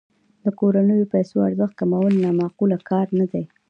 د کورنیو پیسو ارزښت کمول نا معقول کار نه دی.